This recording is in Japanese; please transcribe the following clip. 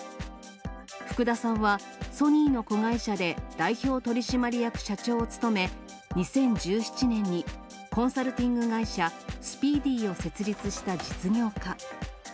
福田さんは、ソニーの子会社で代表取締役社長を務め、２０１７年にコンサルティング会社、スピーディを設立した実業家。